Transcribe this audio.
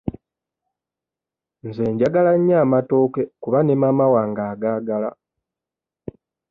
Nze njagala nnyo amatooke kuba ne maama wange agaagala.